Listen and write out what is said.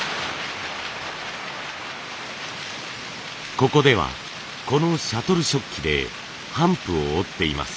ここではこのシャトル織機で帆布を織っています。